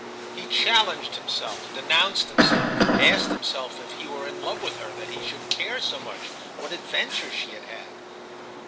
He challenged himself, denounced himself, asked himself if he were in love with her that he should care so much what adventures she had had.